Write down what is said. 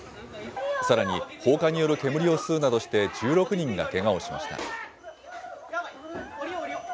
さらに放火による煙を吸うなどして、１６人がけがをしました。